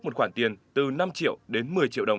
một khoản tiền từ năm triệu đến một mươi triệu đồng